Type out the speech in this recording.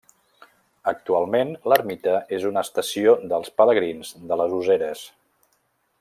Actualment, l'ermita és una estació dels Pelegrins de les Useres.